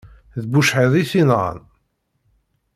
D bucḥiḍ i t-inɣan.